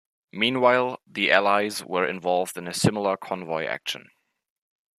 Meanwhile, the Allies were involved in a similar convoy action.